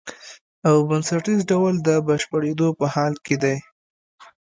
او بنسټیز ډول د بشپړېدو په حال کې دی.